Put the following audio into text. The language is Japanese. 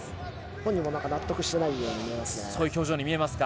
本人も納得してないように見えますね。